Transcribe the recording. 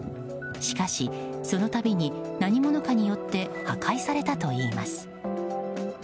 しかし、その度に何者かによって破壊されたといいます。